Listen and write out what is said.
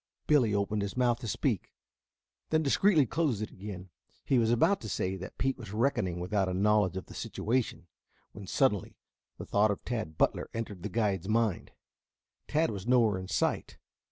Billy opened his mouth to speak, then discreetly closed it again. He was about to say that Pete was reckoning without a knowledge of the situation, when suddenly the thought of Tad Butler entered the guide's mind. Tad was nowhere in sight.